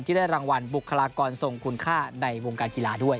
ได้รางวัลบุคลากรทรงคุณค่าในวงการกีฬาด้วย